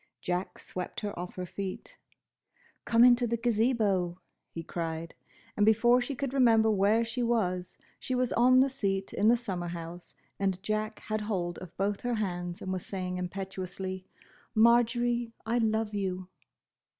Jack swept her off her feet. "Come into the Gazebo!" he cried, and before she could remember where she was, she was on the seat in the summer house and Jack had hold of both her hands and was saying impetuously, "Marjory, I love you!"